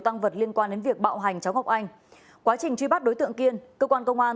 tăng vật liên quan đến việc bạo hành cháu ngọc anh quá trình truy bắt đối tượng kiên cơ quan công an